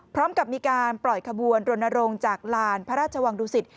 พร้อมกับมีการปล่อยขบวนรณรงค์จากลานพระราชวังดุสิต